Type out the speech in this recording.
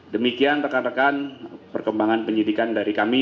demikian rekan rekan perkembangan penyidikan dari kami